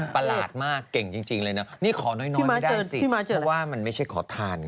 ประหลาดมากเก่งจริงเลยนะนี่ขอน้อยไม่ได้สิเพราะว่ามันไม่ใช่ขอทาน